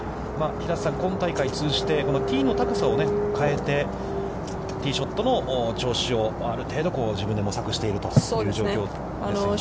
平瀬さん、今大会通じてティーの高さを変えてティーショットの調子をある程度、自分で模索しているという状況ですよね。